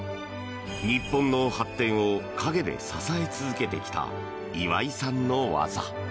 日本の発展を陰で支え続けてきた岩井さんの技。